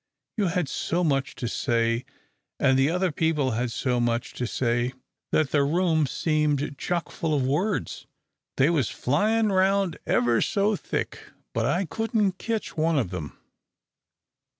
"You had so much to say, an' the other people had so much to say, that the room seemed chock full o' words. They was flyin' round ever so thick, but I couldn't ketch one o' them."